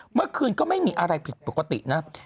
เมื่อคืนก็ไม่มีอะไรผิดปกตินะ